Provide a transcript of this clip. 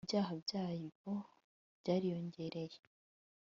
ibyaha byabo byariyongereye